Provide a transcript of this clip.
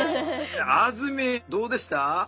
あずみんどうでした？